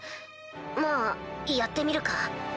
まあやってみるか。